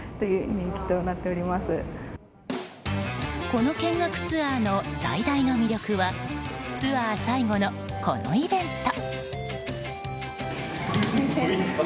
この見学ツアーの最大の魅力はツアー最後の、このイベント。